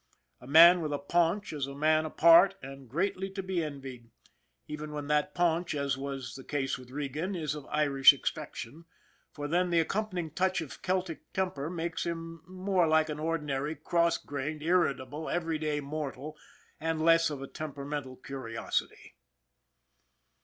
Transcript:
A man with a paunch is a man apart and greatly to be envied, even when that paunch, as was the case with Regan, is of Irish extraction, for then the accompanying touch of Celtic temper makes him more like an ordinary, cross grained, irritable, every day mortal and less of a temperamental curiosity.